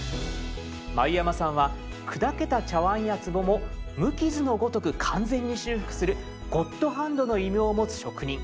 繭山さんは砕けた茶碗やつぼも無傷のごとく完全に修復する「ゴッドハンド」の異名を持つ職人。